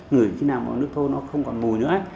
ngửi khi nào một nước thô nó không còn mùi nữa